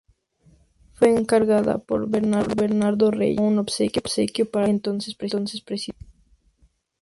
Fue encargada por Bernardo Reyes como un obsequio para el entonces presidente.